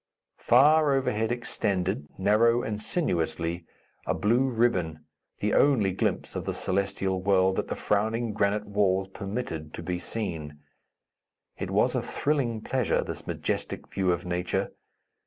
Far overhead extended, narrow and sinuously, a blue ribbon, the only glimpse of the celestial world that the frowning granite walls permitted to be seen. It was a thrilling pleasure, this majestic view of nature.